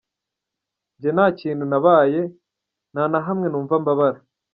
Njye nta kintu nabaye, nta na hamwe numva mbabara.